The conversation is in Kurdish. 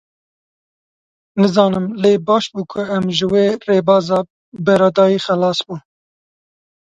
Nizanim lê baş bû ku em ji vê rêbaza beredayî xelas bûn.